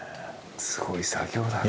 すごい作業だね。